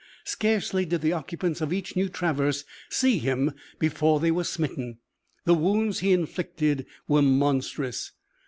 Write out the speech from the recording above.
Scarcely did the occupants of each new traverse see him before they were smitten. The wounds he inflicted were monstrous.